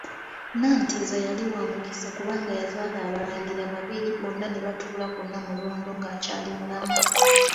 Nanteza yali wamukisa kubanga yazaala abalangira babiri bonna ne batuula ku Namulondo nga akyaali mulamu.